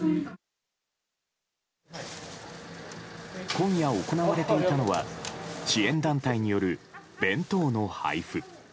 今夜行われていたのは支援団体による弁当の配布。